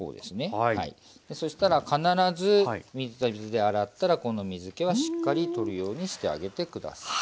そしたら必ず水で洗ったらこの水けはしっかり取るようにしてあげて下さい。